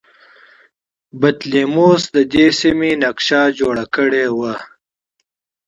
بطلیموس د دې سیمې نقشه جوړه کړې وه